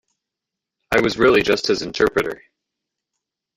I was really just his interpreter.